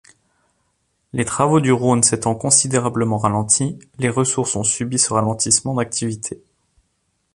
Les travaux du Rhône s'étant considérablement ralentis, les ressources ont subi ce ralentissement d'activité.